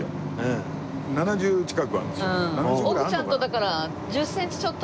おぐちゃんとだから。